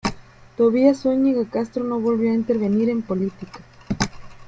Tobías Zúñiga Castro no volvió a intervenir en política.